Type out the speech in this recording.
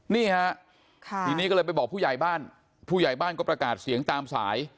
นี่ฮะทีนี้ก็เลยไปบอกผู้ใหญ่บ้านผู้ใหญ่บ้านก็ประกาศเสียงตามสาย